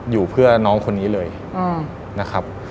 อยู่เพื่อน้องคนนี้เลยนะครับ